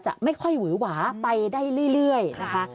ไม่ค่อยหวือหวาไปได้เรื่อยนะคะ